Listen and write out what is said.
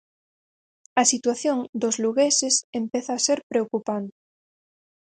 A situación dos lugueses empeza a ser preocupante.